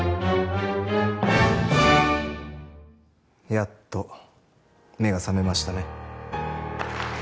やっと目が覚めましたね。